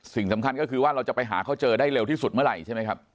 สิ่งสำคัญก็คือว่าเราจะไปหาเขาเจอได้เร็วที่สุดเมื่อไหร่ใช่ไหมครับ